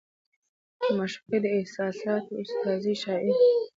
د معشوقې د احساساتو استازې شاعري